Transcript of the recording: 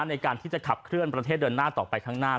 ในการที่จะขับเคลื่อนประเทศเดินหน้าต่อไปข้างหน้า